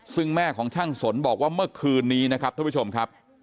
ซึ่งแม่ของช่างสนบอกว่าเมื่อคืนนี้นะครับท่านผู้ชมครับ